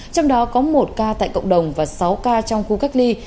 trong đó có một ca tại cộng đồng và sáu ca trong khu cách ly